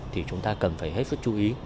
thì chúng ta cần phải hết sức chú ý